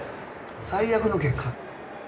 最悪の結果。